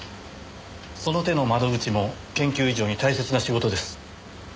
その手の窓口も研究以上に大切な仕事です。